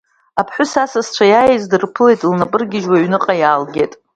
Аԥҳәыс асасцәа иааиз дырԥылеит лнапы ыргьежьуа, аҩныҟа иаалгеит.